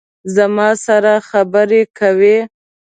زما سره خبرې کوي